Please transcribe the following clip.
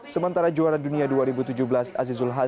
sementara juara dunia dua ribu tujuh belas azizul hadid